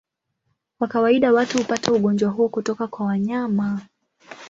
Kwa kawaida watu hupata ugonjwa huo kutoka kwa wanyama.